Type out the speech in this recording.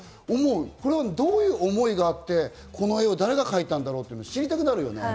これはどういう思いがあって、この絵を誰が描いたんだろうって知りたくなるよね。